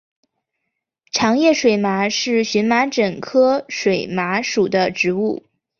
长叶水麻是荨麻科水麻属的植物。